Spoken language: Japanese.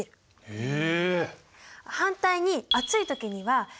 へえ！